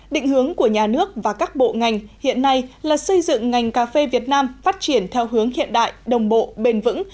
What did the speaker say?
định hướng của nhà nước và các bộ ngành hiện nay là xây dựng ngành cà phê việt nam phát triển theo hướng hiện đại đồng bộ bền vững